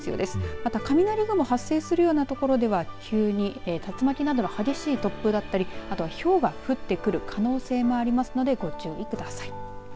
また、雷雲が発生するような所では急に竜巻などの激しい突風やひょうが降ってくる可能性もありますのでご注意ください。